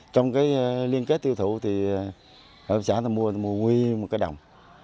trong cái liên kết tiêu thụ thì hợp tác xã đã mua nguyên một cái đồng